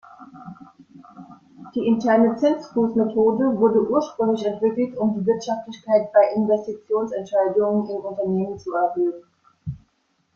Die Interne-Zinsfuß-Methode wurde ursprünglich entwickelt, um die Wirtschaftlichkeit bei Investitionsentscheidungen in Unternehmen zu erhöhen.